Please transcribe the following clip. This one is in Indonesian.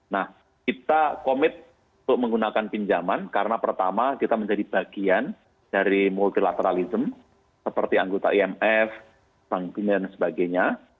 nah kita komit untuk menggunakan pinjaman karena pertama kita menjadi bagian dari multilateralism seperti anggota imf bank dan sebagainya